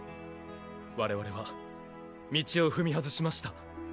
我々は道を踏み外しました。